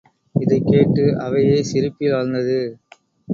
இதைக் கேட்டு அவையே சிரிப்பில் ஆழ்ந்தது.